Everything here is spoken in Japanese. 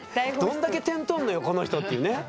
どんだけ点取んのよこの人っていうね。